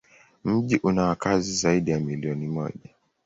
Mji una wakazi zaidi ya milioni moja.